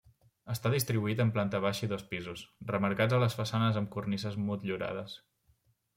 Està distribuït en planta baixa i dos pisos, remarcats a les façanes amb cornises motllurades.